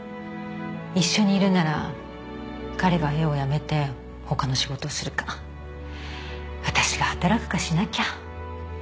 一緒にいるなら彼が絵を辞めて他の仕事をするか私が働くかしなきゃ。